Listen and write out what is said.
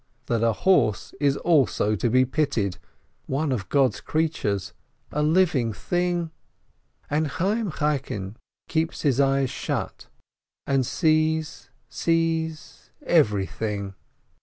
that a horse is also to be pitied, one of God's creatures, a living thing? And Chayyim Chaikin keeps his eyes shut, and sees, sees everything.